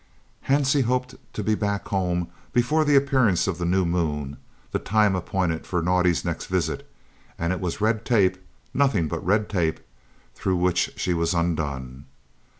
Hansie hoped to be back home before the appearance of the new moon, the time appointed for Naudé's next visit, and it was red tape, nothing but red tape, through which she was undone.